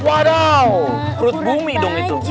wow perut bumi dong itu